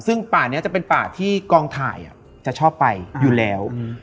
ซึ่งป่านี้จะเป็นป่าที่กองถ่ายจะชอบไปอยู่แล้ว